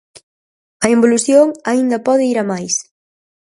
A involución aínda pode ir a máis.